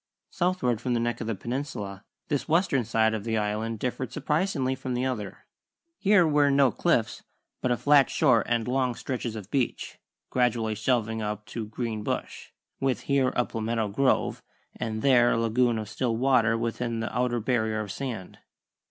Southward from the neck of the peninsula this western side of the Island differed surprisingly from the other. Here were no cliffs, but a flat shore and long stretches of beach, gradually shelving up to green bush, with here a palmetto grove and there a lagoon of still water within the outer barrier of sand.